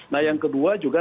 nah yang kedua juga